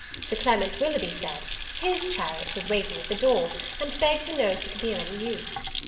Sir Clement Willoughby said, his chariot was waiting at the door, and begged to know if it could be of any use.